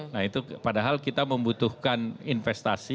nah itu padahal kita membutuhkan investasi